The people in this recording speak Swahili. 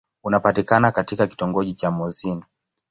Unapatikana katika kitongoji cha Mouassine.